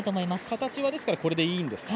形はこれでいいんですか？